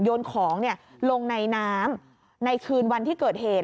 โยนของลงในน้ำในคืนวันที่เกิดเหตุ